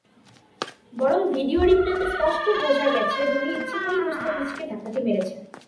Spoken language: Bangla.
বরং ভিডিও রিপ্লেতে স্পষ্ট বোঝা গেছে, ধোনি ইচ্ছে করেই মুস্তাফিজকে ধাক্কাটি মেরেছেন।